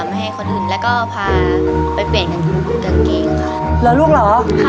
ไม่ให้คนอื่นแล้วก็พาไปเปลี่ยนกางเกงค่ะเหรอลูกเหรอค่ะ